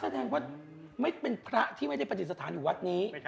เสด็จว่าประทิเอ็กชะไม่ได้ปฏิษฐานอยู่วัดนี้